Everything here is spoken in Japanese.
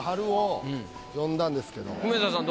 梅沢さん